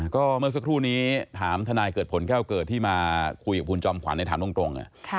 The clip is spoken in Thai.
ก็เมื่อสักครู่นี้ถามทนายเกิดผลแก้วเกิดที่มาคุยกับคุณจอมขวัญในถามตรง